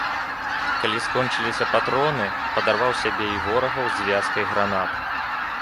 Калі скончыліся патроны, падарваў сябе і ворагаў звязкай гранат.